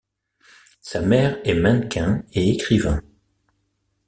Sa mère est mannequin et écrivain.